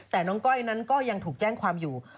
แต่น้องก้อยนั้นก็ยังถูกแจ้งความอยู่